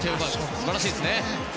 素晴らしいです。